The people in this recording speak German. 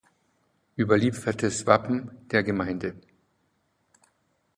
Überliefertes Wappen der Gemeinde.